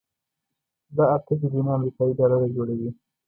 دا اته بيلیونه امریکایي ډالره جوړوي.